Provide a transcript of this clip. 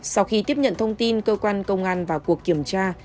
sau khi tiếp nhận thông tin cơ quan công an vào cuộc kiểm tra